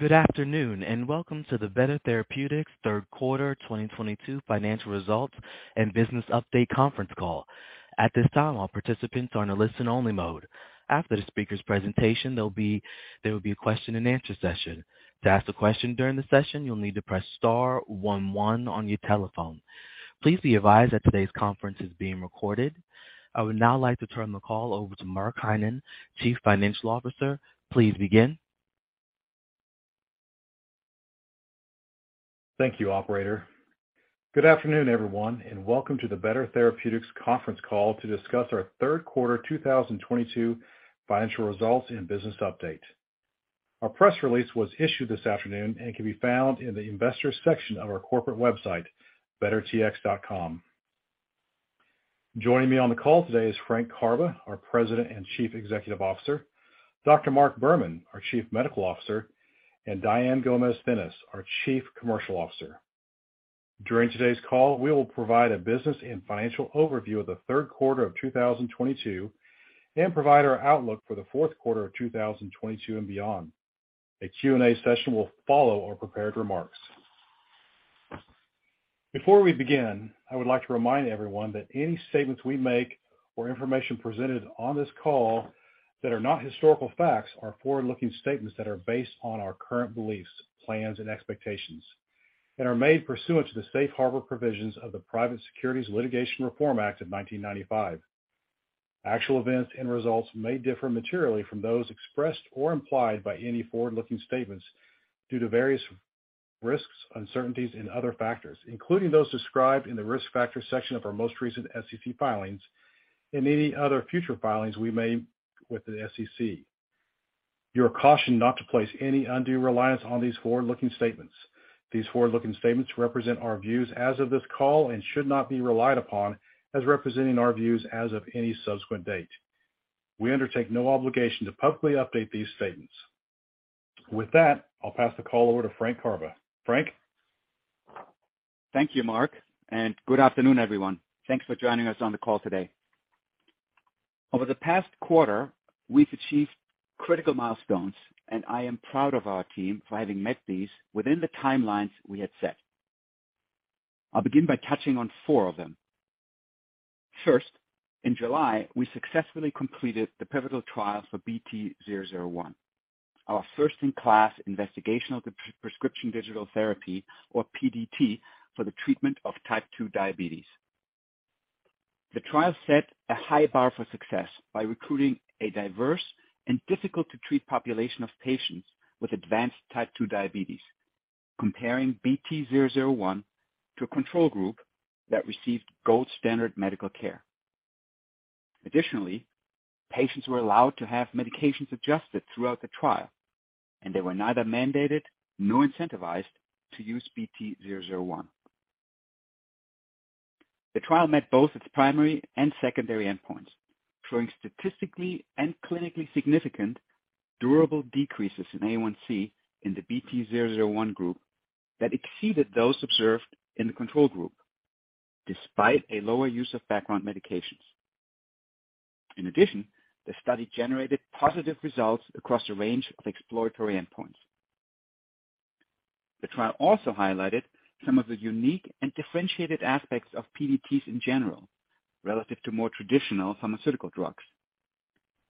Good afternoon, and welcome to the Better Therapeutics Third Quarter 2022 Financial Results and Business Update Conference Call. At this time, all participants are on a listen only mode. After the speaker's presentation, there will be a question and answer session. To ask a question during the session, you'll need to press star one one on your telephone. Please be advised that today's conference is being recorded. I would now like to turn the call over to Mark Heinen, Chief Financial Officer. Please begin. Thank you, operator. Good afternoon, everyone, and welcome to the Better Therapeutics Conference Call to discuss our Third Quarter 2022 Financial Results and Business Update. Our press release was issued this afternoon and can be found in the investors section of our corporate website, bettertx.com. Joining me on the call today is Frank Karbe, our President and Chief Executive Officer, Dr. Mark Berman, our Chief Medical Officer, and Diane Gomez-Thinnes, our Chief Commercial Officer. During today's call, we will provide a business and financial overview of the third quarter of 2022 and provide our outlook for the fourth quarter of 2022 and beyond. A Q&A session will follow our prepared remarks. Before we begin, I would like to remind everyone that any statements we make or information presented on this call that are not historical facts are forward-looking statements that are based on our current beliefs, plans, and expectations, and are made pursuant to the Safe Harbor Provisions of the Private Securities Litigation Reform Act of 1995. Actual events and results may differ materially from those expressed or implied by any forward-looking statements due to various risks, uncertainties and other factors, including those described in the Risk Factors section of our most recent SEC filings and any other future filings we make with the SEC. You are cautioned not to place any undue reliance on these forward-looking statements. These forward-looking statements represent our views as of this call and should not be relied upon as representing our views as of any subsequent date. We undertake no obligation to publicly update these statements. With that, I'll pass the call over to Frank Karbe. Frank. Thank you, Mark, and good afternoon, everyone. Thanks for joining us on the call today. Over the past quarter, we've achieved critical milestones, and I am proud of our team for having met these within the timelines we had set. I'll begin by touching on four of them. First, in July, we successfully completed the pivotal trial for BT-001, our first-in-class investigational prescription digital therapy or PDT for the treatment of Type 2 diabetes. The trial set a high bar for success by recruiting a diverse and difficult to treat population of patients with advanced Type 2 diabetes, comparing BT-001 to a control group that received gold standard medical care. Additionally, patients were allowed to have medications adjusted throughout the trial, and they were neither mandated nor incentivized to use BT-001. The trial met both its primary and secondary endpoints, showing statistically and clinically significant durable decreases in A1C in the BT-001 group that exceeded those observed in the control group despite a lower use of background medications. In addition, the study generated positive results across a range of exploratory endpoints. The trial also highlighted some of the unique and differentiated aspects of PDTs in general relative to more traditional pharmaceutical drugs.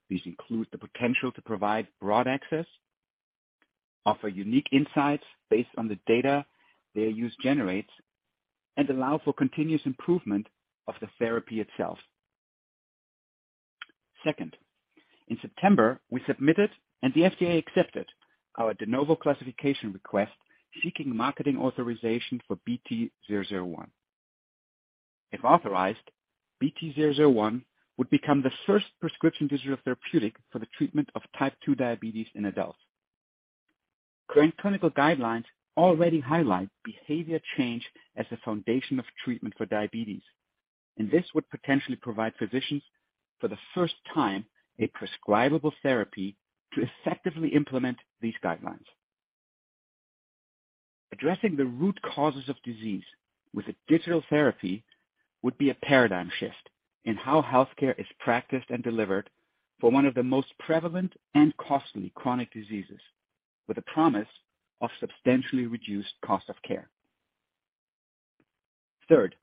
These include the potential to provide broad access, offer unique insights based on the data their use generates, and allow for continuous improvement of the therapy itself. Second, in September, we submitted, and the FDA accepted, our De Novo classification request seeking marketing authorization for BT-001. If authorized, BT-001 would become the first prescription digital therapeutic for the treatment of Type 2 Diabetes in adults. Current clinical guidelines already highlight behavior change as the foundation of treatment for diabetes, and this would potentially provide physicians, for the first time, a prescribable therapy to effectively implement these guidelines. Addressing the root causes of disease with a digital therapy would be a paradigm shift in how healthcare is practiced and delivered for one of the most prevalent and costly chronic diseases with a promise of substantially reduced cost of care. Third,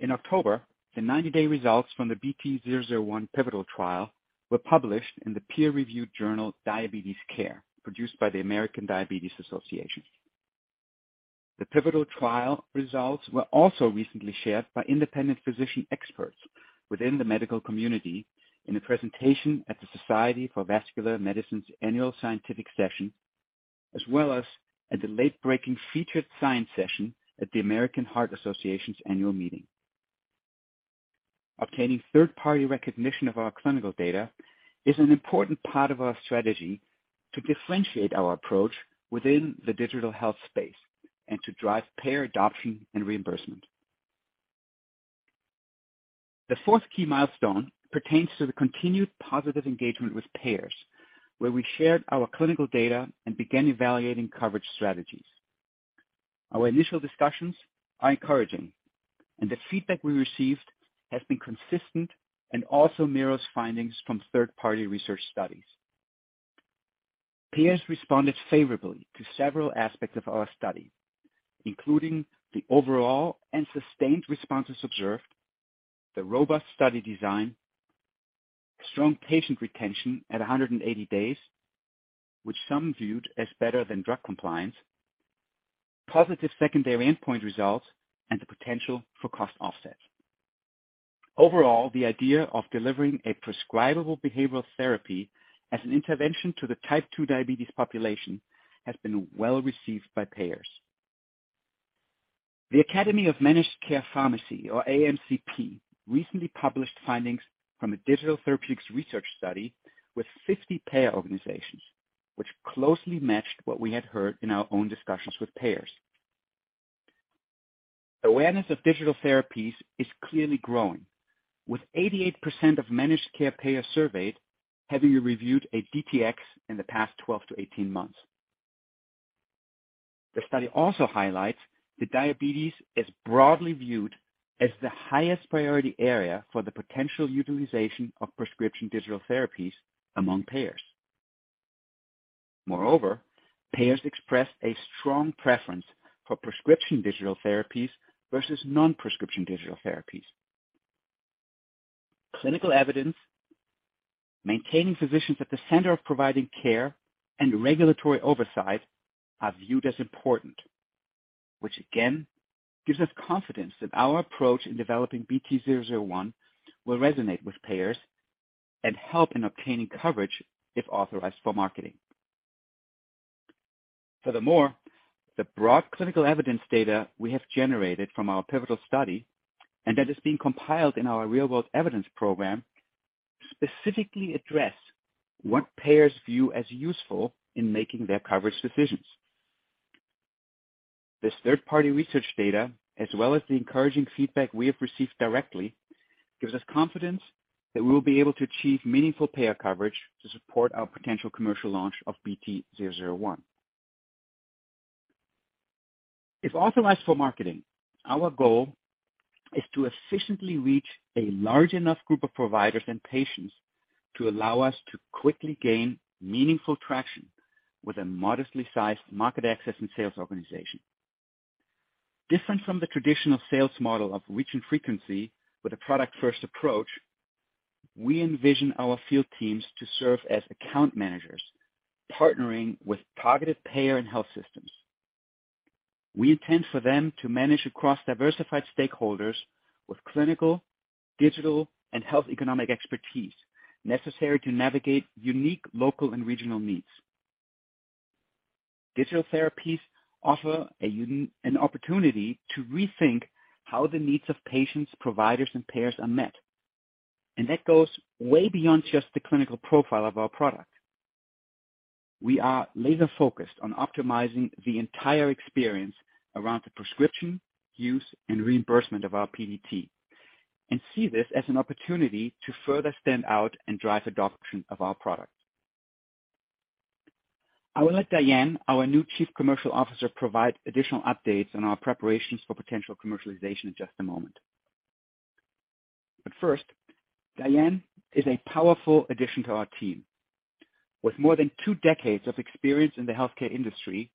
in October, the 90-day results from the BT-001 pivotal trial were published in the peer-reviewed journal Diabetes Care, produced by the American Diabetes Association. The pivotal trial results were also recently shared by independent physician experts within the medical community in a presentation at the Society for Vascular Medicine's annual scientific session, as well as at the late-breaking featured science session at the American Heart Association's annual meeting. Obtaining third-party recognition of our clinical data is an important part of our strategy to differentiate our approach within the digital health space and to drive payer adoption and reimbursement. The fourth key milestone pertains to the continued positive engagement with payers, where we shared our clinical data and began evaluating coverage strategies. Our initial discussions are encouraging, and the feedback we received has been consistent and also mirrors findings from third-party research studies. Payers responded favorably to several aspects of our study, including the overall and sustained responses observed, the robust study design, strong patient retention at 180 days, which some viewed as better than drug compliance, positive secondary endpoint results, and the potential for cost offset. Overall, the idea of delivering a prescribable behavioral therapy as an intervention to the Type 2 diabetes population has been well-received by payers. The Academy of Managed Care Pharmacy, or AMCP, recently published findings from a digital therapeutics research study with 50 payer organizations, which closely matched what we had heard in our own discussions with payers. Awareness of digital therapies is clearly growing, with 88% of managed care payers surveyed having reviewed a DTx in the past 12-18 months. The study also highlights that diabetes is broadly viewed as the highest priority area for the potential utilization of prescription digital therapies among payers. Moreover, payers expressed a strong preference for prescription digital therapies versus non-prescription digital therapies. Clinical evidence, maintaining physicians at the center of providing care, and regulatory oversight are viewed as important. Which again, gives us confidence that our approach in developing BT-001 will resonate with payers and help in obtaining coverage if authorized for marketing. Furthermore, the broad clinical evidence data we have generated from our pivotal study and that is being compiled in our real-world evidence program specifically address what payers view as useful in making their coverage decisions. This third-party research data, as well as the encouraging feedback we have received directly, gives us confidence that we will be able to achieve meaningful payer coverage to support our potential commercial launch of BT-001. If authorized for marketing, our goal is to efficiently reach a large enough group of providers and patients to allow us to quickly gain meaningful traction with a modestly sized market access and sales organization. Different from the traditional sales model of reach and frequency with a product-first approach, we envision our field teams to serve as account managers, partnering with targeted payer and health systems. We intend for them to manage across diversified stakeholders with clinical, digital, and health economic expertise necessary to navigate unique local and regional needs. Digital therapies offer an opportunity to rethink how the needs of patients, providers, and payers are met, and that goes way beyond just the clinical profile of our product. We are laser-focused on optimizing the entire experience around the prescription, use, and reimbursement of our PDT, and see this as an opportunity to further stand out and drive adoption of our product. I will let Diane, our new Chief Commercial Officer, provide additional updates on our preparations for potential commercialization in just a moment. First, Diane is a powerful addition to our team. With more than two decades of experience in the healthcare industry,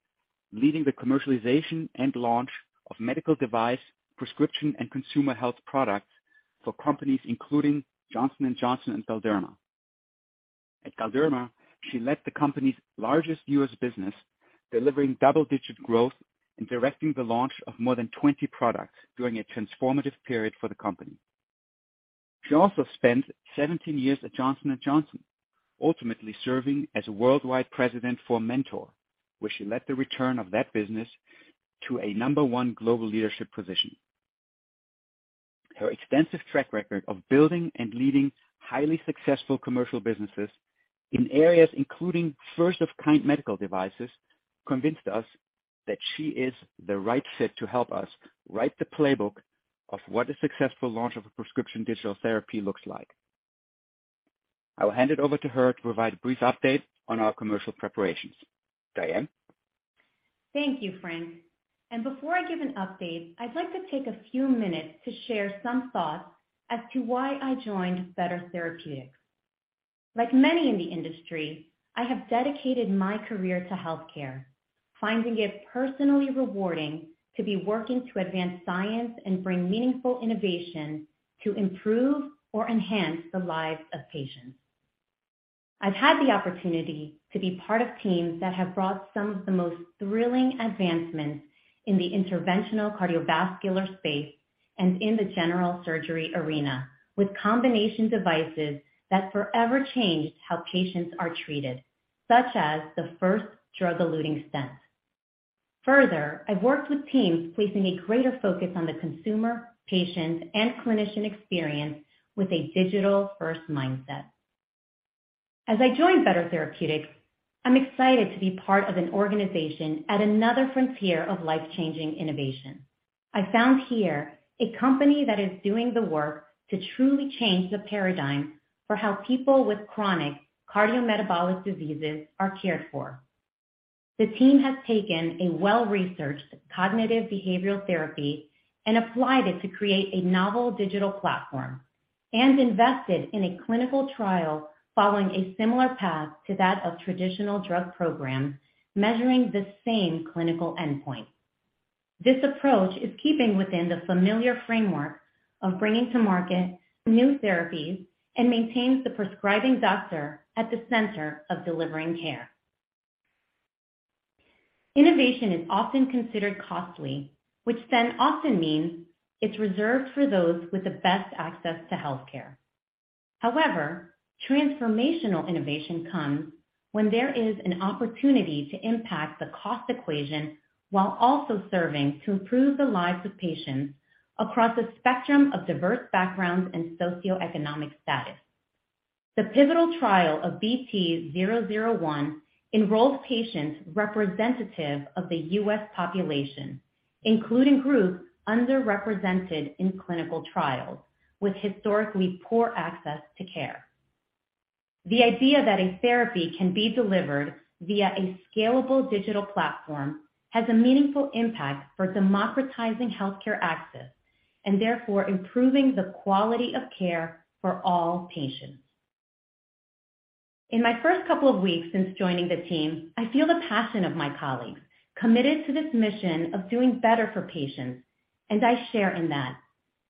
leading the commercialization and launch of medical device, prescription, and consumer health products for companies including Johnson & Johnson and Galderma. At Galderma, she led the company's largest U.S. business, delivering double-digit growth and directing the launch of more than 20 products during a transformative period for the company. She also spent 17 years at Johnson & Johnson, ultimately serving as a worldwide president for Mentor, where she led the return of that business to a number one global leadership position. Her extensive track record of building and leading highly successful commercial businesses in areas including first-of-kind medical devices convinced us that she is the right fit to help us write the playbook of what a successful launch of a prescription digital therapy looks like. I will hand it over to her to provide a brief update on our commercial preparations. Diane. Thank you, Frank. Before I give an update, I'd like to take a few minutes to share some thoughts as to why I joined Better Therapeutics. Like many in the industry, I have dedicated my career to healthcare, finding it personally rewarding to be working to advance science and bring meaningful innovation to improve or enhance the lives of patients. I've had the opportunity to be part of teams that have brought some of the most thrilling advancements in the interventional cardiovascular space and in the general surgery arena, with combination devices that forever changed how patients are treated, such as the first drug-eluting stent. Further, I've worked with teams placing a greater focus on the consumer, patients, and clinician experience with a digital-first mindset. As I join Better Therapeutics, I'm excited to be part of an organization at another frontier of life-changing innovation. I found here a company that is doing the work to truly change the paradigm for how people with chronic cardiometabolic diseases are cared for. The team has taken a well-researched Cognitive Behavioral Therapy and applied it to create a novel digital platform and invested in a clinical trial following a similar path to that of traditional drug programs, measuring the same clinical endpoint. This approach is keeping within the familiar framework of bringing to market new therapies and maintains the prescribing doctor at the center of delivering care. Innovation is often considered costly, which then often means it's reserved for those with the best access to healthcare. However, transformational innovation comes when there is an opportunity to impact the cost equation while also serving to improve the lives of patients across a spectrum of diverse backgrounds and socioeconomic status. The pivotal trial of BT-001 enrolls patients representative of the U.S. population, including groups underrepresented in clinical trials with historically poor access to care. The idea that a therapy can be delivered via a scalable digital platform has a meaningful impact for democratizing healthcare access and therefore improving the quality of care for all patients. In my first couple of weeks since joining the team, I feel the passion of my colleagues committed to this mission of doing better for patients, and I share in that.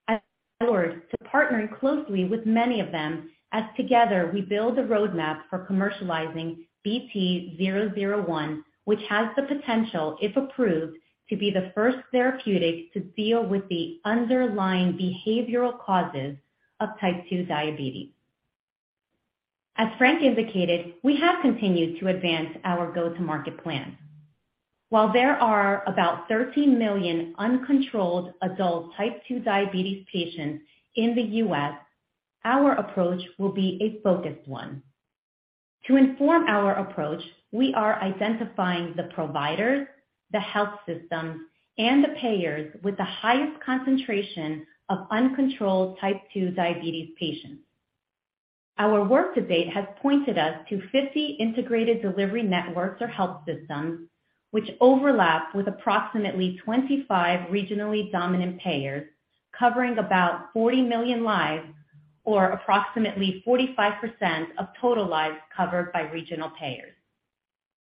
I look forward to partnering closely with many of them as together we build a roadmap for commercializing BT-001, which has the potential, if approved, to be the first therapeutic to deal with the underlying behavioral causes of Type 2 diabetes. As Frank indicated, we have continued to advance our go-to-market plan. While there are about 13 million uncontrolled adult type 2 diabetes patients in the U.S., our approach will be a focused one. To inform our approach, we are identifying the providers, the health systems, and the payers with the highest concentration of uncontrolled Type 2 diabetes patients. Our work to date has pointed us to 50 integrated delivery networks or health systems which overlap with approximately 25 regionally dominant payers, covering about 40 million lives or approximately 45% of total lives covered by regional payers.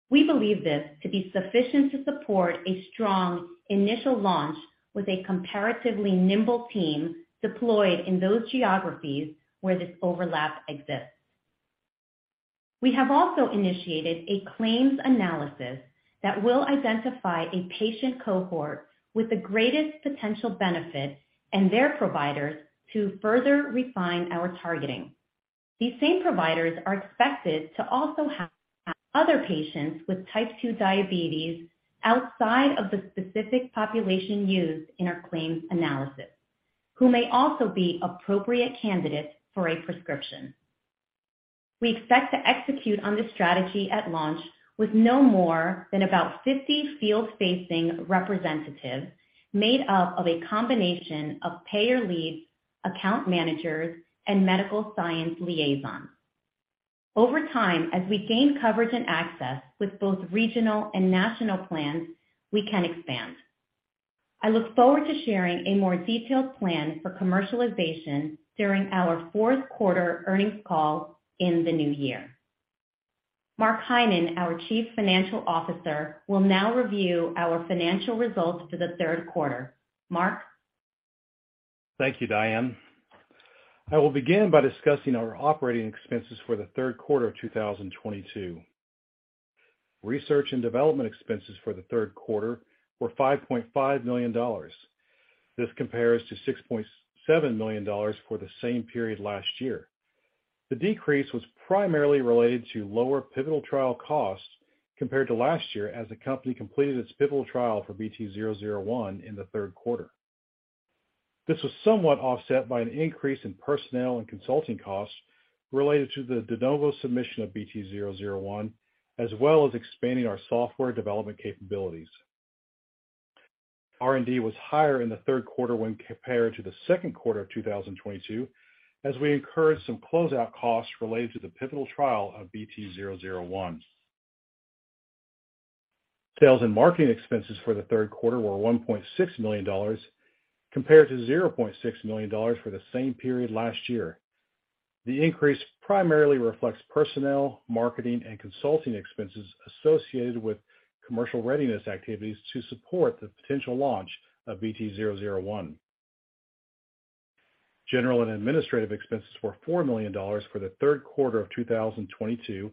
We believe this to be sufficient to support a strong initial launch with a comparatively nimble team deployed in those geographies where this overlap exists. We have also initiated a claims analysis that will identify a patient cohort with the greatest potential benefit and their providers to further refine our targeting. These same providers are expected to also have other patients with type 2 diabetes outside of the specific population used in our claims analysis, who may also be appropriate candidates for a prescription. We expect to execute on this strategy at launch with no more than about 50 field-facing representatives made up of a combination of payer leads, account managers, and medical science liaisons. Over time, as we gain coverage and access with both regional and national plans, we can expand. I look forward to sharing a more detailed plan for commercialization during our fourth quarter earnings call in the new year. Mark Heinen, our Chief Financial Officer, will now review our financial results for the third quarter. Mark? Thank you, Diane. I will begin by discussing our operating expenses for the third quarter of 2022. Research and development expenses for the third quarter were $5.5 million. This compares to $6.7 million for the same period last year. The decrease was primarily related to lower pivotal trial costs compared to last year as the company completed its pivotal trial for BT-001 in the third quarter. This was somewhat offset by an increase in personnel and consulting costs related to the De Novo submission of BT-001, as well as expanding our software development capabilities. R&D was higher in the third quarter when compared to the second quarter of 2022, as we incurred some closeout costs related to the pivotal trial of BT-001. Sales and marketing expenses for the third quarter were $1.6 million compared to $0.6 million for the same period last year. The increase primarily reflects personnel, marketing, and consulting expenses associated with commercial readiness activities to support the potential launch of BT-001. General and administrative expenses were $4 million for the third quarter of 2022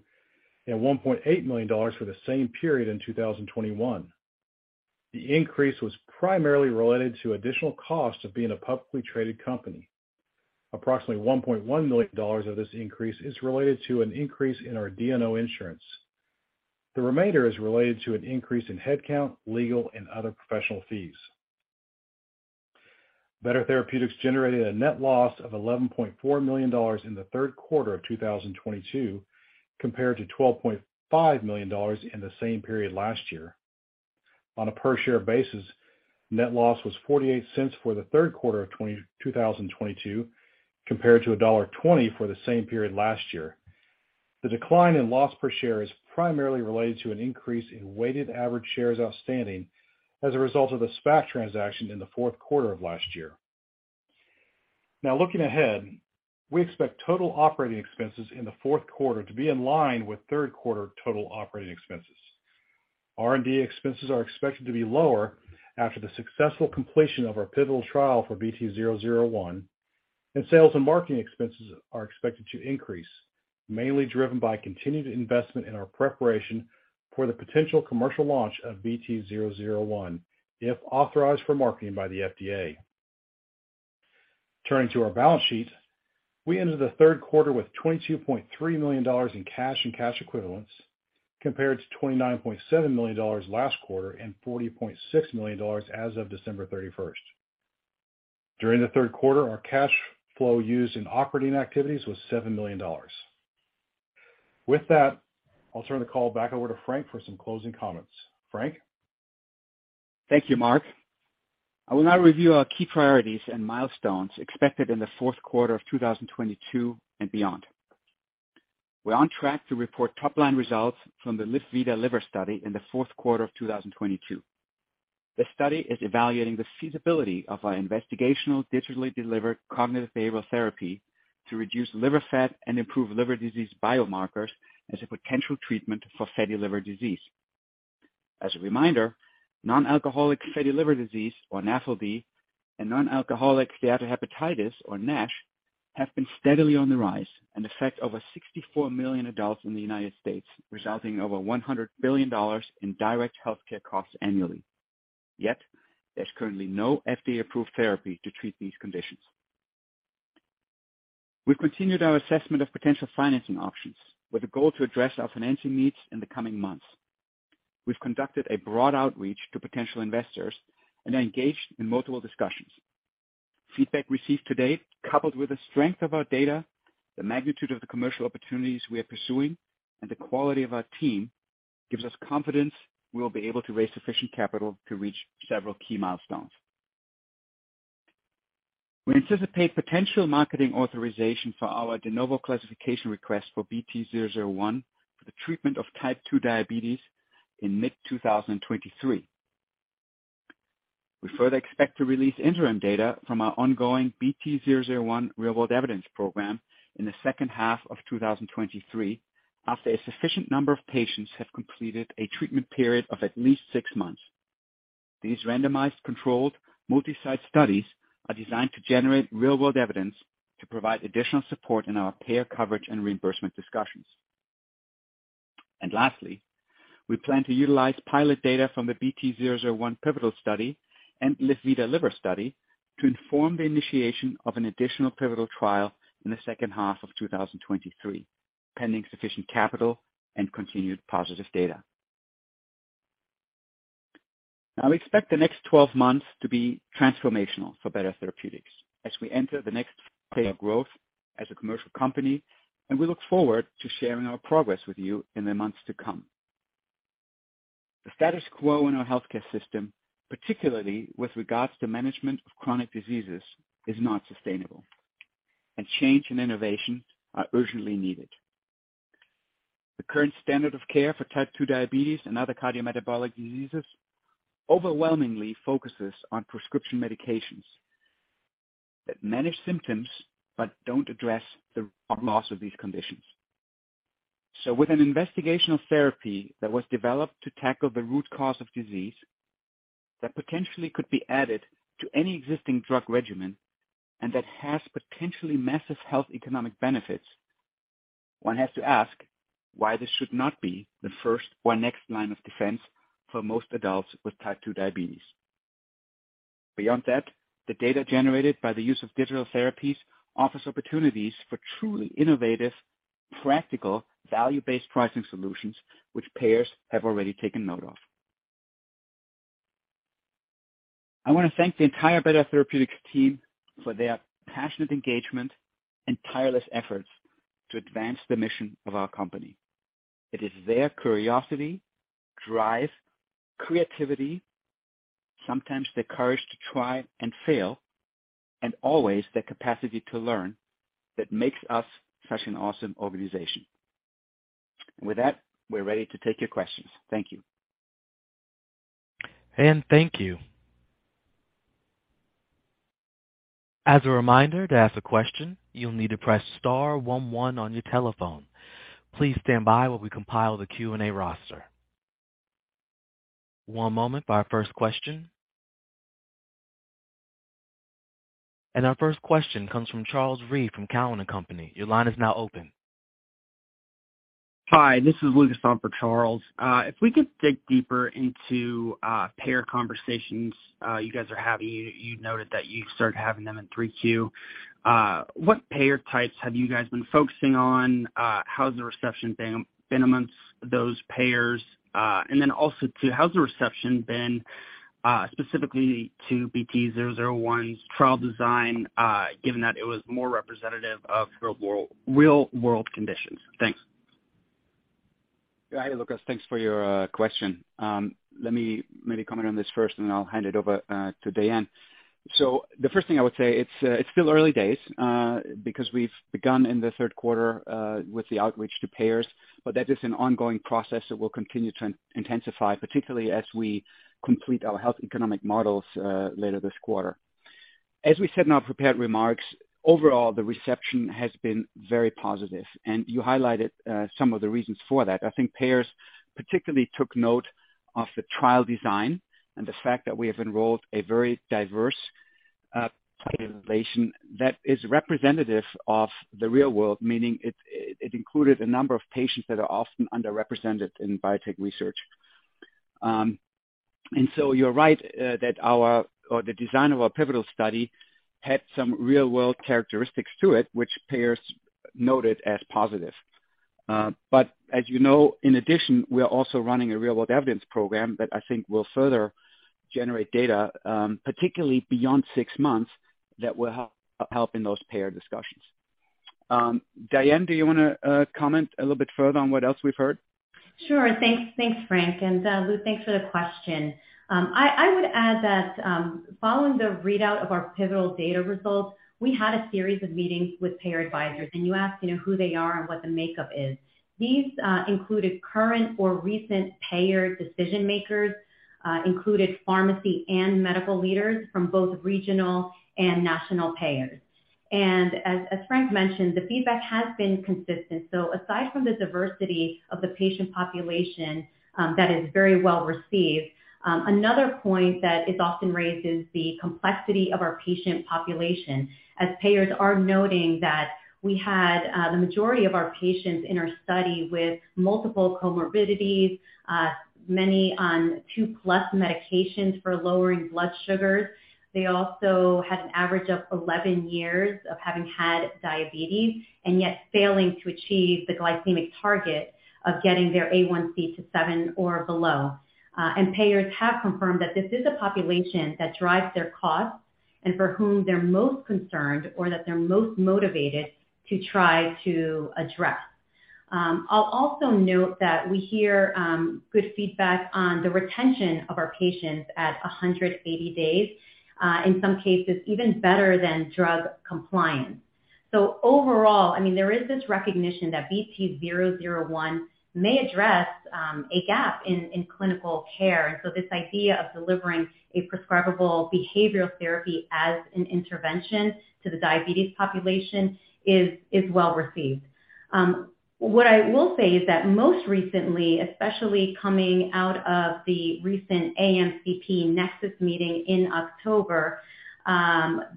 and $1.8 million for the same period in 2021. The increase was primarily related to additional costs of being a publicly traded company. Approximately $1.1 million of this increase is related to an increase in our D&O insurance. The remainder is related to an increase in headcount, legal, and other professional fees. Better Therapeutics generated a net loss of $11.4 million in the third quarter of 2022, compared to $12.5 million in the same period last year. On a per-share basis, net loss was $0.48 for the third quarter of 2022, compared to $1.20 for the same period last year. The decline in loss per share is primarily related to an increase in weighted average shares outstanding as a result of the SPAC transaction in the fourth quarter of last year. Now looking ahead, we expect total operating expenses in the fourth quarter to be in line with third quarter total operating expenses. R&D expenses are expected to be lower after the successful completion of our pivotal trial for BT-001, and sales and marketing expenses are expected to increase, mainly driven by continued investment in our preparation for the potential commercial launch of BT-001 if authorized for marketing by the FDA. Turning to our balance sheet. We ended the third quarter with $22.3 million in cash and cash equivalents, compared to $29.7 million last quarter and $40.6 million as of December thirty-first. During the third quarter, our cash flow used in operating activities was $7 million. With that, I'll turn the call back over to Frank for some closing comments. Frank. Thank you, Mark. I will now review our key priorities and milestones expected in the fourth quarter of 2022 and beyond. We're on track to report top-line results from the LivVita Liver study in the fourth quarter of 2022. The study is evaluating the feasibility of our investigational digitally delivered cognitive behavioral therapy to reduce liver fat and improve liver disease biomarkers as a potential treatment for fatty liver disease. As a reminder, non-alcoholic fatty liver disease, or NAFLD, and non-alcoholic steatohepatitis, or NASH, have been steadily on the rise and affect over 64 million adults in the United States, resulting in over $100 billion in direct healthcare costs annually. Yet there's currently no FDA-approved therapy to treat these conditions. We've continued our assessment of potential financing options with a goal to address our financing needs in the coming months. We've conducted a broad outreach to potential investors and are engaged in multiple discussions. Feedback received to date, coupled with the strength of our data, the magnitude of the commercial opportunities we are pursuing, and the quality of our team, gives us confidence we will be able to raise sufficient capital to reach several key milestones. We anticipate potential marketing authorization for our De Novo classification request for BT-001 for the treatment of Type 2 diabetes in mid-2023. We further expect to release interim data from our ongoing BT-001 real-world evidence program in the second half of 2023 after a sufficient number of patients have completed a treatment period of at least six months. These randomized, controlled, multi-site studies are designed to generate real-world evidence to provide additional support in our payer coverage and reimbursement discussions. Lastly, we plan to utilize pilot data from the BT-001 pivotal study and LivVita Liver study to inform the initiation of an additional pivotal trial in the second half of 2023, pending sufficient capital and continued positive data. Now we expect the next 12 months to be transformational for Better Therapeutics as we enter the next phase of growth as a commercial company, and we look forward to sharing our progress with you in the months to come. The status quo in our healthcare system, particularly with regards to management of chronic diseases, is not sustainable. Change and innovation are urgently needed. The current standard of care for Type 2 diabetes and other cardiometabolic diseases overwhelmingly focuses on prescription medications that manage symptoms but don't address the root cause of these conditions. With an investigational therapy that was developed to tackle the root cause of disease that potentially could be added to any existing drug regimen and that has potentially massive health economic benefits, one has to ask why this should not be the first or next line of defense for most adults with type 2 diabetes. Beyond that, the data generated by the use of digital therapies offers opportunities for truly innovative, practical, value-based pricing solutions, which payers have already taken note of. I want to thank the entire Better Therapeutics team for their passionate engagement and tireless efforts to advance the mission of our company. It is their curiosity, drive, creativity, sometimes the courage to try and fail, and always the capacity to learn that makes us such an awesome organization. With that, we're ready to take your questions. Thank you. Thank you. As a reminder, to ask a question, you'll need to press star one one on your telephone. Please stand by while we compile the Q&A roster. One moment for our first question. Our first question comes from Charles Rhyee from Cowen and Company. Your line is now open. Hi, this is Lucas in for Charles. If we could dig deeper into payer conversations you guys are having. You noted that you started having them in 3Q. What payer types have you guys been focusing on? How's the reception been amongst those payers? Then also too, how's the reception been Specifically to BT-001's trial design, given that it was more representative of real world conditions. Thanks. Yeah. Hey, Lucas. Thanks for your question. Let me maybe comment on this first, and then I'll hand it over to Diane. The first thing I would say, it's still early days because we've begun in the third quarter with the outreach to payers, but that is an ongoing process that will continue to intensify, particularly as we complete our health economic models later this quarter. As we said in our prepared remarks, overall, the reception has been very positive, and you highlighted some of the reasons for that. I think payers particularly took note of the trial design and the fact that we have enrolled a very diverse population that is representative of the real world, meaning it included a number of patients that are often underrepresented in biotech research. You're right, that the design of our pivotal study had some real world characteristics to it, which payers noted as positive. As you know, in addition, we are also running a real world evidence program that I think will further generate data, particularly beyond six months, that will help in those payer discussions. Diane, do you wanna comment a little bit further on what else we've heard? Sure. Thanks, Frank, and Lucas, thanks for the question. I would add that following the readout of our pivotal data results, we had a series of meetings with payer advisors, and you asked, you know, who they are and what the makeup is. These included current or recent payer decision-makers, included pharmacy and medical leaders from both regional and national payers. As Frank mentioned, the feedback has been consistent. Aside from the diversity of the patient population that is very well received, another point that is often raised is the complexity of our patient population, as payers are noting that we had the majority of our patients in our study with multiple comorbidities, many on two plus medications for lowering blood sugars. They also had an average of 11 years of having had diabetes and yet failing to achieve the glycemic target of getting their A1C to seven or below. Payers have confirmed that this is a population that drives their costs and for whom they're most concerned or that they're most motivated to try to address. I'll also note that we hear good feedback on the retention of our patients at 180 days, in some cases even better than drug compliance. Overall, I mean, there is this recognition that BT-001 may address a gap in clinical care. This idea of delivering a prescribable behavioral therapy as an intervention to the diabetes population is well received. What I will say is that most recently, especially coming out of the recent AMCP Nexus meeting in October,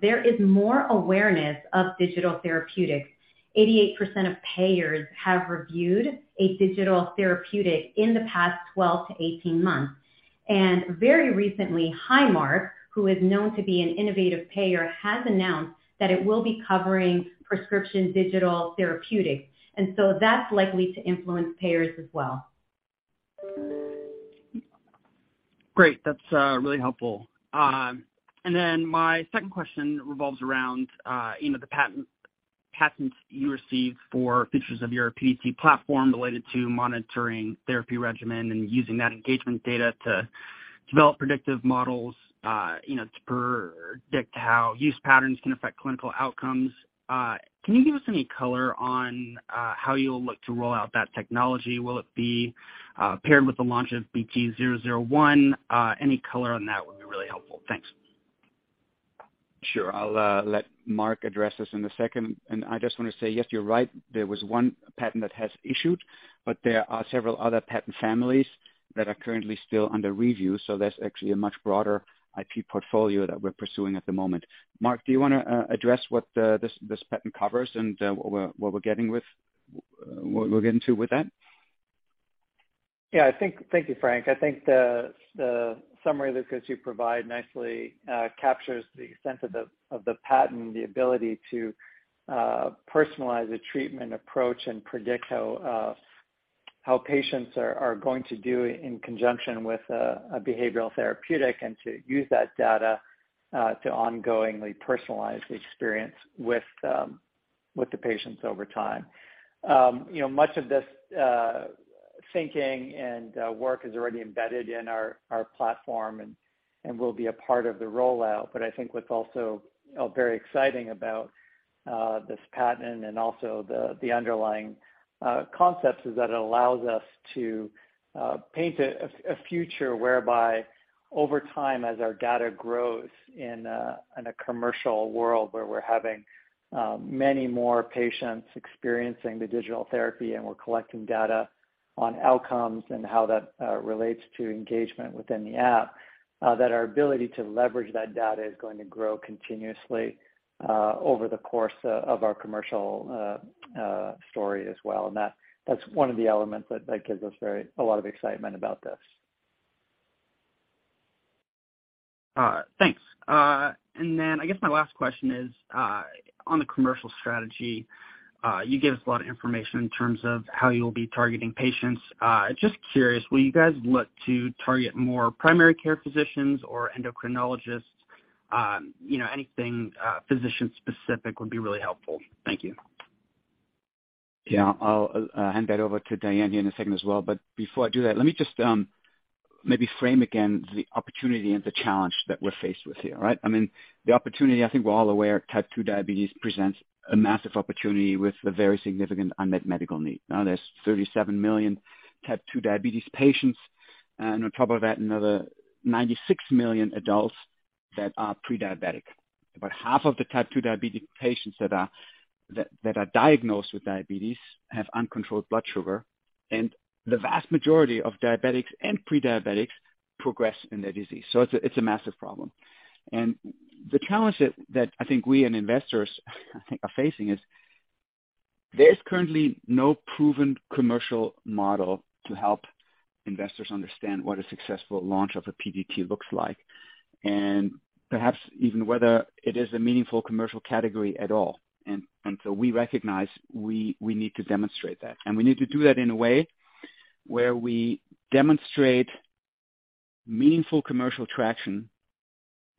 there is more awareness of digital therapeutics. 88% of payers have reviewed a digital therapeutic in the past 12 months-18 months. Very recently, Highmark, who is known to be an innovative payer, has announced that it will be covering prescription digital therapeutics. That's likely to influence payers as well. Great. That's really helpful. My second question revolves around, you know, the patent, patents you received for features of your PDT platform related to monitoring therapy regimen and using that engagement data to develop predictive models, you know, to predict how use patterns can affect clinical outcomes. Can you give us any color on how you'll look to roll out that technology? Will it be paired with the launch of BT-001? Any color on that would be really helpful. Thanks. Sure. I'll let Mark address this in a second. I just wanna say, yes, you're right, there was one patent that has issued, but there are several other patent families that are currently still under review, so that's actually a much broader IP portfolio that we're pursuing at the moment. Mark, do you wanna address what this patent covers and what we'll get into with that? Thank you, Frank. I think the summary, Lucas, you provide nicely captures the extent of the patent and the ability to personalize a treatment approach and predict how patients are going to do in conjunction with a behavioral therapeutic and to use that data to ongoingly personalize the experience with the patients over time. You know, much of this thinking and work is already embedded in our platform and will be a part of the rollout, but I think what's also very exciting about this patent and also the underlying concepts is that it allows us to paint a future whereby over time, as our data grows in a commercial world where we're having many more patients experiencing the digital therapy and we're collecting data on outcomes and how that relates to engagement within the app, that our ability to leverage that data is going to grow continuously over the course of our commercial story as well. That's one of the elements that gives us a lot of excitement about this. Thanks. I guess my last question is on the commercial strategy. You gave us a lot of information in terms of how you'll be targeting patients. Just curious, will you guys look to target more primary care physicians or endocrinologists? You know, anything physician specific would be really helpful. Thank you. Yeah. I'll hand that over to Diane here in a second as well, but before I do that, let me just maybe frame again the opportunity and the challenge that we're faced with here, right? I mean, the opportunity, I think we're all aware, type 2 diabetes presents a massive opportunity with a very significant unmet medical need. Now there's 37 million type 2 diabetes patients, and on top of that, another 96 million adults that are pre-diabetic. About half of the type 2 diabetic patients that are diagnosed with diabetes have uncontrolled blood sugar, and the vast majority of diabetics and pre-diabetics progress in their disease. It's a massive problem. The challenge that I think we and investors I think are facing is there's currently no proven commercial model to help investors understand what a successful launch of a PDT looks like, and perhaps even whether it is a meaningful commercial category at all. We recognize we need to demonstrate that, and we need to do that in a way where we demonstrate meaningful commercial traction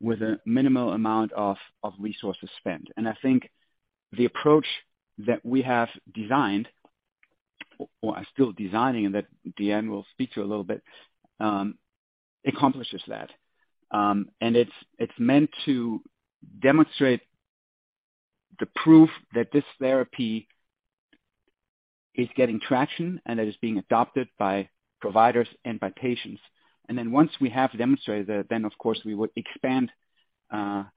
with a minimal amount of resources spent. I think the approach that we have designed or are still designing and that Diane will speak to a little bit accomplishes that. It's meant to demonstrate the proof that this therapy is getting traction and that is being adopted by providers and by patients. Then once we have demonstrated that, then of course we would expand our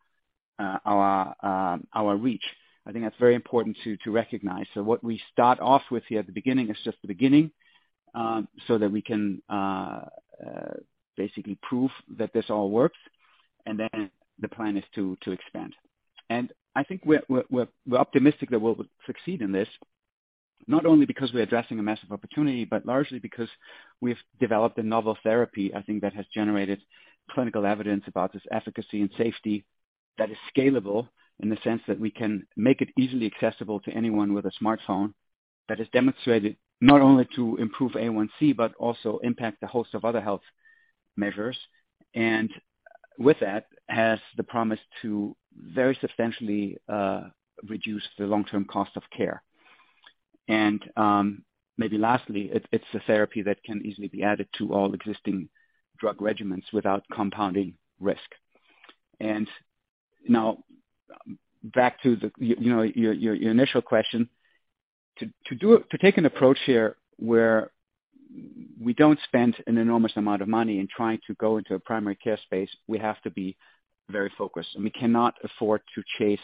reach. I think that's very important to recognize. What we start off with here at the beginning is just the beginning, so that we can basically prove that this all works, and then the plan is to expand. I think we're optimistic that we'll succeed in this, not only because we're addressing a massive opportunity, but largely because we've developed a novel therapy, I think, that has generated clinical evidence about this efficacy and safety that is scalable in the sense that we can make it easily accessible to anyone with a smartphone that has demonstrated not only to improve A1C, but also impact the host of other health measures. With that, has the promise to very substantially reduce the long term cost of care. Maybe lastly, it's a therapy that can easily be added to all existing drug regimens without compounding risk. Now back to the, you know, your initial question. To take an approach here where we don't spend an enormous amount of money in trying to go into a primary care space, we have to be very focused, and we cannot afford to chase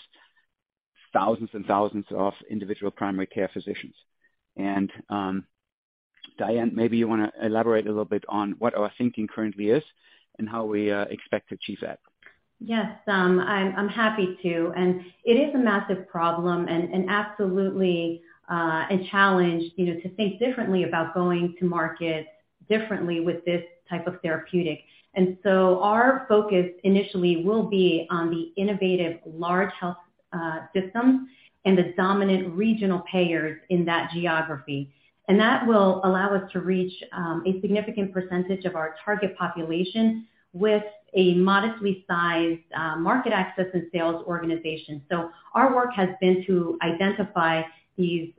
thousands and thousands of individual primary care physicians. Diane, maybe you wanna elaborate a little bit on what our thinking currently is and how we expect to achieve that. Yes, I'm happy to. It is a massive problem and absolutely a challenge, you know, to think differently about going to market differently with this type of therapeutic. Our focus initially will be on the innovative large health systems and the dominant regional payers in that geography. That will allow us to reach a significant percentage of our target population with a modestly sized market access and sales organization. Our work has been to identify these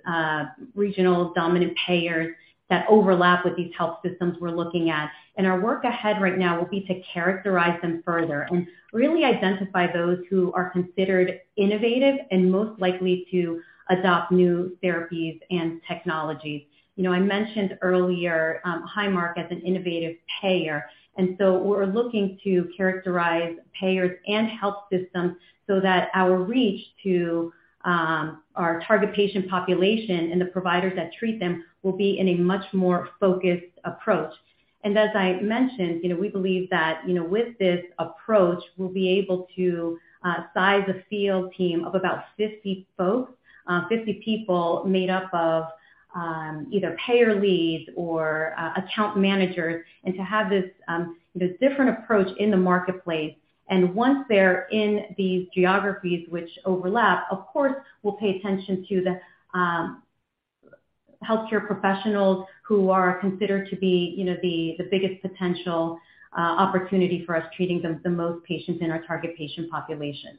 regional dominant payers that overlap with these health systems we're looking at. Our work ahead right now will be to characterize them further and really identify those who are considered innovative and most likely to adopt new therapies and technologies. You know, I mentioned earlier, Highmark as an innovative payer, and so we're looking to characterize payers and health systems so that our reach to our target patient population and the providers that treat them will be in a much more focused approach. As I mentioned, you know, we believe that, you know, with this approach, we'll be able to size a field team of about 50 people made up of either payer leads or account managers, and to have this different approach in the marketplace. Once they're in these geographies which overlap, of course we'll pay attention to the healthcare professionals who are considered to be, you know, the biggest potential opportunity for us treating the most patients in our target patient population.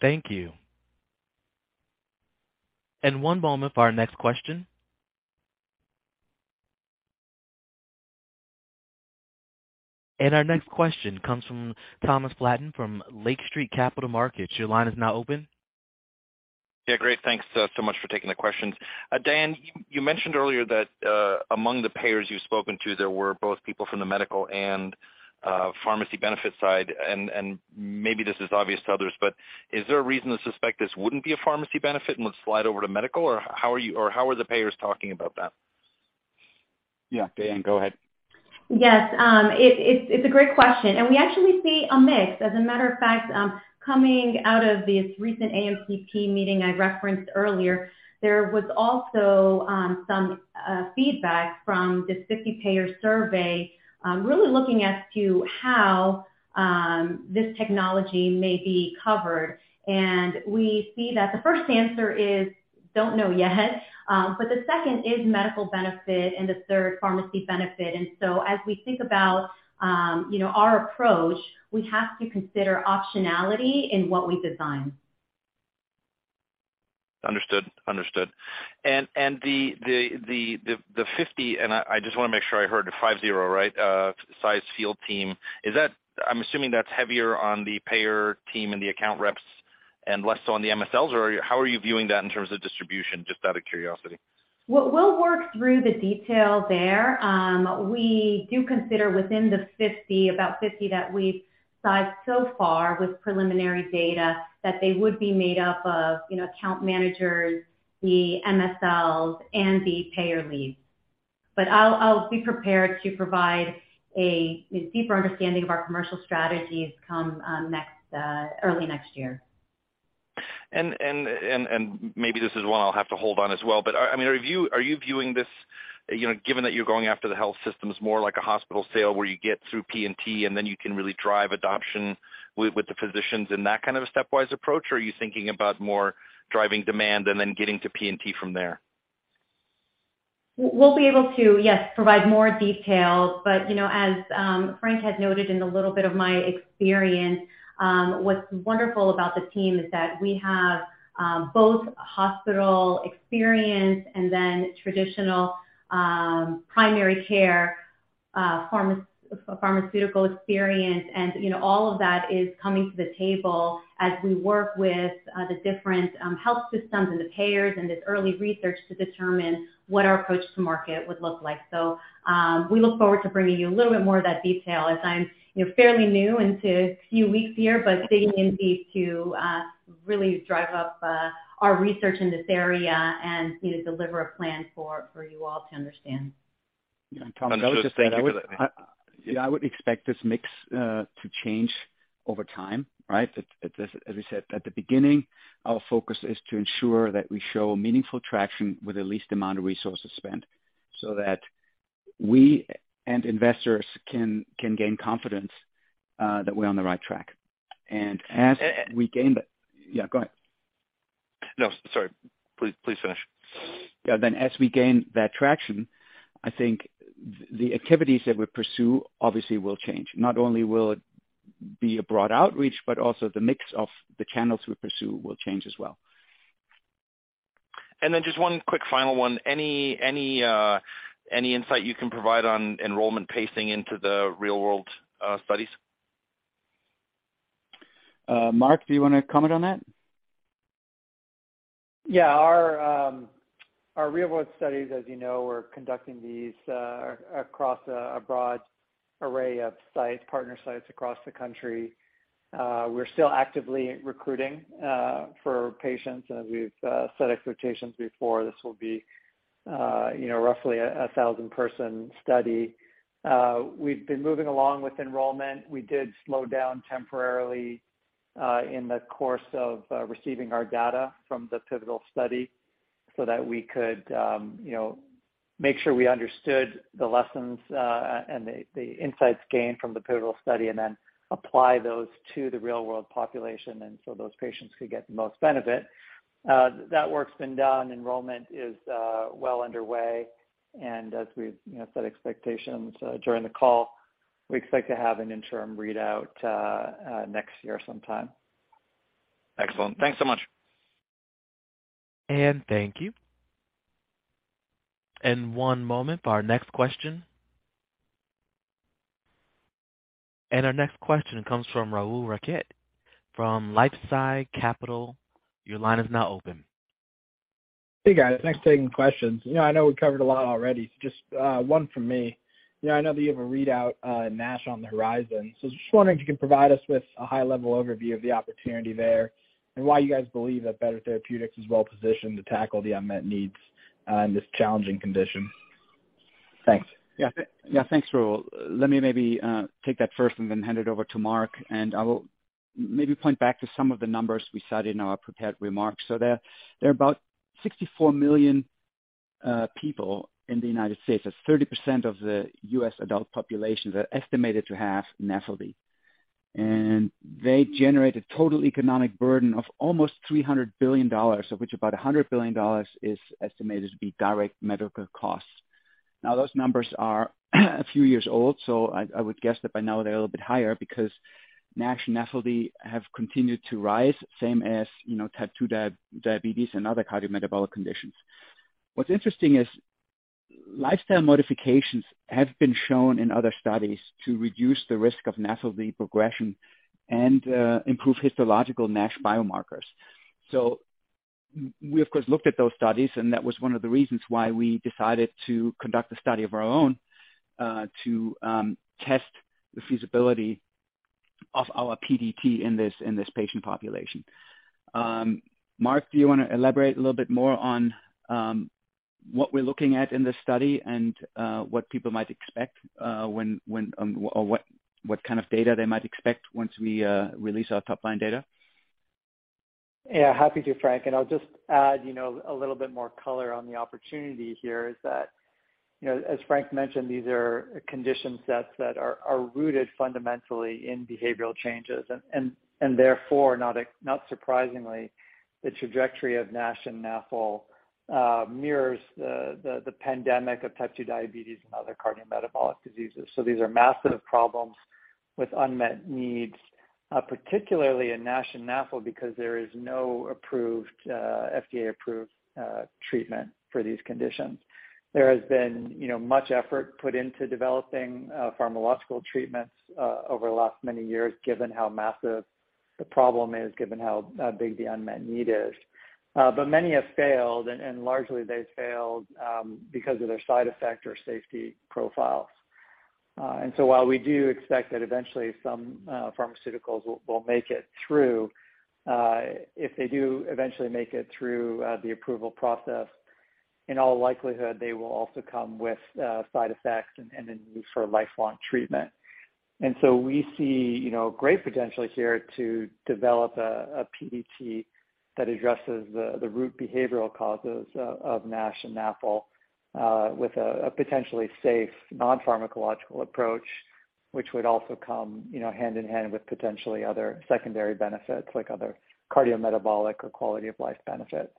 Thank you. One moment for our next question. Our next question comes from Thomas Flaten from Lake Street Capital Markets. Your line is now open. Yeah, great. Thanks so much for taking the questions. Diane, you mentioned earlier that among the payers you've spoken to, there were both people from the medical and pharmacy benefit side. Maybe this is obvious to others, but is there a reason to suspect this wouldn't be a pharmacy benefit and would slide over to medical? Or how are the payers talking about that? Yeah, Diane, go ahead. Yes. It's a great question, and we actually see a mix. As a matter of fact, coming out of this recent AMCP meeting I referenced earlier, there was also some feedback from this 50-payer survey, really looking at how this technology may be covered. We see that the first answer is, "Don't know yet." But the second is medical benefit and the third pharmacy benefit. So as we think about, you know, our approach, we have to consider optionality in what we design. Understood. The 50, and I just wanna make sure I heard it 50, right, size field team. Is that? I'm assuming that's heavier on the payer team and the account reps and less so on the MSLs or how are you viewing that in terms of distribution, just out of curiosity? We'll work through the detail there. We do consider within the 50, about 50 that we've sized so far with preliminary data that they would be made up of, you know, account managers, the MSLs, and the payer leads. I'll be prepared to provide a deeper understanding of our commercial strategies come early next year. Maybe this is one I'll have to hold on as well, but I mean, are you viewing this, you know, given that you're going after the health systems more like a hospital sale where you get through P&T, and then you can really drive adoption with the physicians in that kind of a stepwise approach? Or are you thinking about more driving demand and then getting to P&T from there? We'll be able to, yes, provide more details. You know, as Frank had noted in a little bit of my experience, what's wonderful about the team is that we have both hospital experience and then traditional primary care pharmaceutical experience. You know, all of that is coming to the table as we work with the different health systems and the payers and this early research to determine what our approach to market would look like. We look forward to bringing you a little bit more of that detail as I'm, you know, fairly new into a few weeks here, but digging in deep to really drive up our research in this area and, you know, deliver a plan for you all to understand. Understood. Thank you for that. Yeah, I would expect this mix to change over time, right? At this, as we said at the beginning, our focus is to ensure that we show meaningful traction with the least amount of resources spent so that we and investors can gain confidence that we're on the right track. No. Sorry. Please, please finish. Yeah. As we gain that traction, I think the activities that we pursue obviously will change. Not only will it be a broad outreach, but also the mix of the channels we pursue will change as well. Just one quick final one. Any insight you can provide on enrollment pacing into the real-world studies? Mark, do you wanna comment on that? Yeah. Our real-world studies, as you know, we're conducting these across a broad array of sites, partner sites across the country. We're still actively recruiting for patients. As we've set expectations before, this will be, you know, roughly a 1,000-person study. We've been moving along with enrollment. We did slow down temporarily in the course of receiving our data from the pivotal study so that we could, you know, make sure we understood the lessons and the insights gained from the pivotal study and then apply those to the real-world population, and so those patients could get the most benefit. That work's been done. Enrollment is well underway, and as we've, you know, set expectations during the call, we expect to have an interim readout next year sometime. Excellent. Thanks so much. Thank you. One moment for our next question. Our next question comes from Rahul Rakhit from LifeSci Capital. Your line is now open. Hey, guys. Thanks for taking the questions. You know, I know we've covered a lot already, so just one from me. You know, I know that you have a readout, NASH on the horizon. So just wondering if you could provide us with a high-level overview of the opportunity there and why you guys believe that Better Therapeutics is well positioned to tackle the unmet needs in this challenging condition. Thanks. Yeah. Thanks, Rahul. Let me maybe take that first and then hand it over to Mark, and I will maybe point back to some of the numbers we cited in our prepared remarks. There are about 64 million people in the United States. That's 30% of the U.S. adult population that are estimated to have NAFLD. They generate a total economic burden of almost $300 billion, of which about $100 billion is estimated to be direct medical costs. Now, those numbers are a few years old, so I would guess that by now they're a little bit higher because NASH and NAFLD have continued to rise, same as, you know, Type 2 diabetes and other cardiometabolic conditions. What's interesting is lifestyle modifications have been shown in other studies to reduce the risk of NAFLD progression and improve histological NASH biomarkers. We of course looked at those studies, and that was one of the reasons why we decided to conduct a study of our own to test the feasibility of our PDT in this patient population. Mark, do you wanna elaborate a little bit more on what we're looking at in this study and what people might expect what kind of data they might expect once we release our top-line data? Yeah, happy to Frank, and I'll just add, you know, a little bit more color on the opportunity here is that, you know, as Frank mentioned, these are condition sets that are rooted fundamentally in behavioral changes and therefore not surprisingly, the trajectory of NASH and NAFL mirrors the pandemic of type 2 diabetes and other cardiometabolic diseases. These are massive problems with unmet needs, particularly in NASH and NAFL because there is no approved FDA-approved treatment for these conditions. There has been, you know, much effort put into developing pharmacological treatments over the last many years, given how massive the problem is, given how big the unmet need is. Many have failed and largely they've failed because of their side effects or safety profiles. While we do expect that eventually some pharmaceuticals will make it through, if they do eventually make it through the approval process, in all likelihood they will also come with side effects and then use for lifelong treatment. We see, you know, great potential here to develop a PDT that addresses the root behavioral causes of NASH and NAFL with a potentially safe non-pharmacological approach, which would also come, you know, hand in hand with potentially other secondary benefits like other cardiometabolic or quality of life benefits.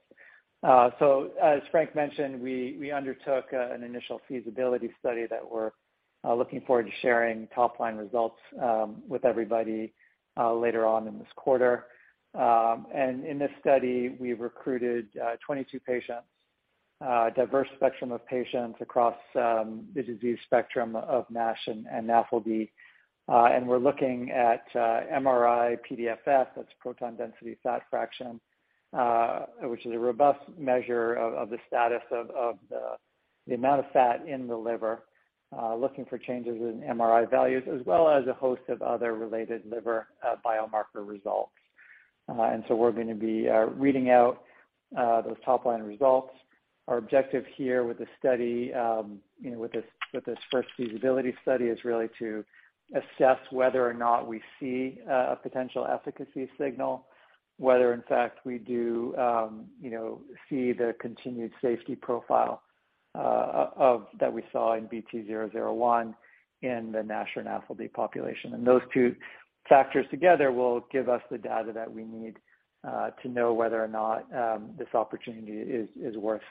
As Frank mentioned, we undertook an initial feasibility study that we're looking forward to sharing top-line results with everybody later on in this quarter. In this study we recruited 22 patients, a diverse spectrum of patients across the disease spectrum of NASH and NAFLD. We're looking at MRI-PDFF, that's proton density fat fraction, which is a robust measure of the amount of fat in the liver, looking for changes in MRI values as well as a host of other related liver biomarker results. We're gonna be reading out those top-line results. Our objective here with this study, you know, with this first feasibility study is really to assess whether or not we see a potential efficacy signal, whether in fact we do, you know, see the continued safety profile of that we saw in BT-001 in the NASH or NAFLD population. Those two factors together will give us the data that we need to know whether or not this opportunity is worth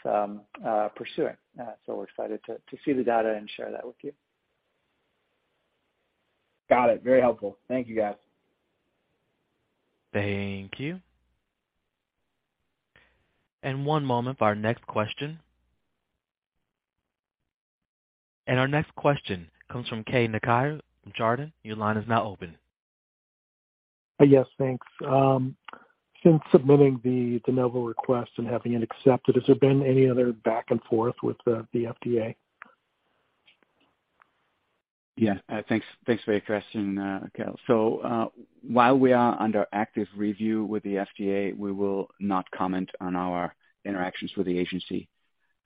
pursuing. We're excited to see the data and share that with you. Got it. Very helpful. Thank you guys. Thank you. One moment for our next question. Our next question comes from Keay Nakae from Chardan. Your line is now open. Yes, thanks. Since submitting the De Novo request and having it accepted, has there been any other back and forth with the FDA? Thanks for your question, Keay. While we are under active review with the FDA, we will not comment on our interactions with the agency.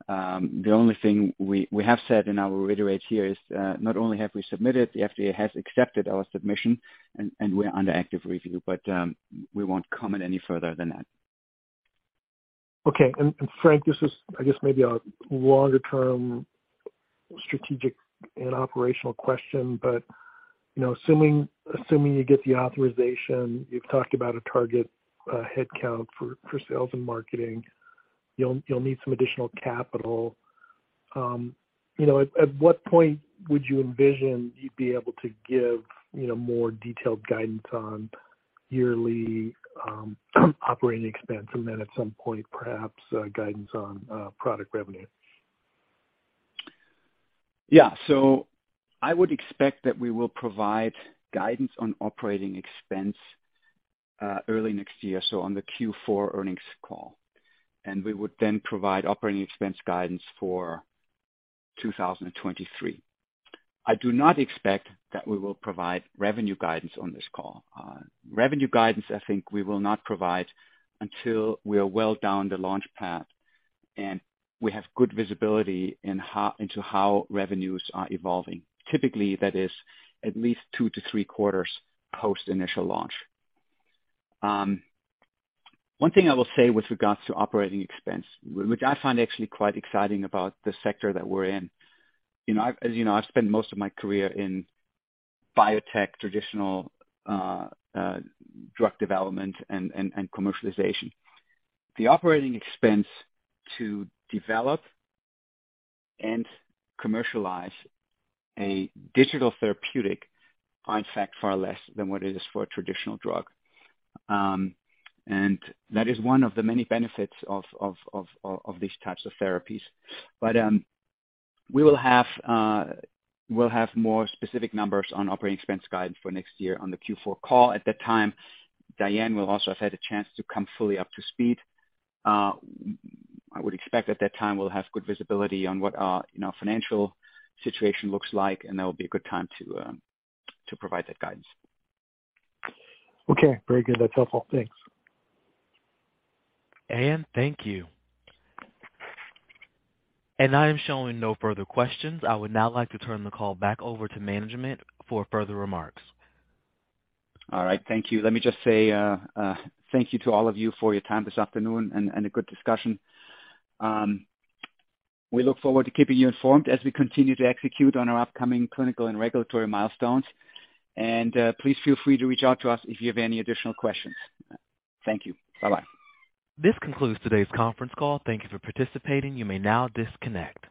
The only thing we have said and I will reiterate here is, not only have we submitted, the FDA has accepted our submission and we're under active review, but we won't comment any further than that. Okay. Frank, this is I guess maybe a longer term strategic and operational question, but you know, assuming you get the authorization, you've talked about a target headcount for sales and marketing. You'll need some additional capital. You know, at what point would you envision you'd be able to give, you know, more detailed guidance on yearly operating expense and then at some point perhaps guidance on product revenue? Yeah. I would expect that we will provide guidance on operating expense early next year, so on the Q4 earnings call. We would then provide operating expense guidance for 2023. I do not expect that we will provide revenue guidance on this call. Revenue guidance I think we will not provide until we are well down the launch path and we have good visibility into how revenues are evolving. Typically, that is at least two to three quarters post initial launch. One thing I will say with regards to operating expense, which I find actually quite exciting about the sector that we're in. As you know, I've spent most of my career in biotech, traditional drug development and commercialization. The operating expense to develop and commercialize a digital therapeutic are in fact far less than what it is for a traditional drug. That is one of the many benefits of these types of therapies. We'll have more specific numbers on operating expense guidance for next year on the Q4 call. At that time, Diane will also have had a chance to come fully up to speed. I would expect at that time we'll have good visibility on what our, you know, financial situation looks like, and that will be a good time to provide that guidance. Okay. Very good. That's helpful. Thanks. Thank you. I am showing no further questions. I would now like to turn the call back over to management for further remarks. All right. Thank you. Let me just say, thank you to all of you for your time this afternoon and a good discussion. We look forward to keeping you informed as we continue to execute on our upcoming clinical and regulatory milestones. Please feel free to reach out to us if you have any additional questions. Thank you. Bye-bye. This concludes today's conference call. Thank you for participating. You may now disconnect.